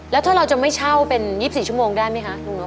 แล้วถ้าเราจะไม่เช่าเป็น๒๔ชั่วโมงได้ไหมคะลุงนบ